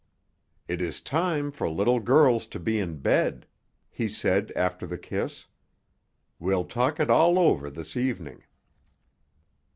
"It is time for little girls to be in bed," he said after the kiss. "We'll talk it all over this evening."